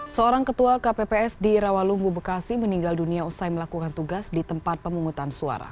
seorang ketua kpps di rawalumbu bekasi meninggal dunia usai melakukan tugas di tempat pemungutan suara